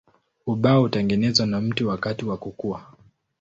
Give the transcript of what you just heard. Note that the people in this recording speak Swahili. Ubao hutengenezwa na mti wakati wa kukua.